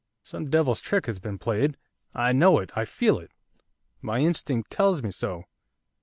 'Some devil's trick has been played, I know it, I feel it! my instinct tells me so!